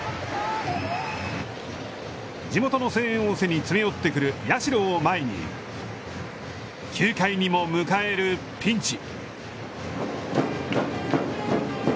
地元の声援を背に詰め寄ってくる社を前に９回にも迎えるピンチ。